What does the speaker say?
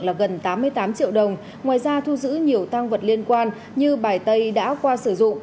là gần tám mươi tám triệu đồng ngoài ra thu giữ nhiều tăng vật liên quan như bài tây đã qua sử dụng